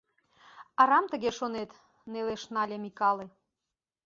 — Арам тыге шонет, — нелеш нале Микале.